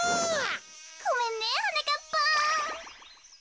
ごめんねはなかっぱん。